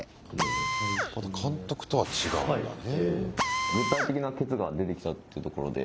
また監督とは違うんだね。